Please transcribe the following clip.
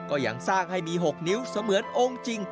ก็ยังสร้างให้มี๖นิ้วเสมือนองค์จริง